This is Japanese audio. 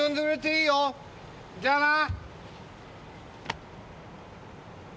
じゃあな！